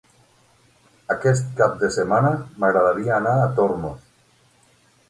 Aquest cap de setmana m'agradaria anar a Tormos.